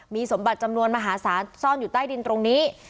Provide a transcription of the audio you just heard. มีสมบัติจำนวนมหาศาลซ่อนอยู่ใต้ดินตรงนี้